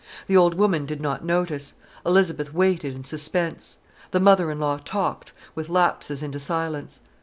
The old woman did not notice. Elizabeth waited in suspense. The mother in law talked, with lapses into silence.